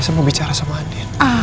saya mau bicara sama andin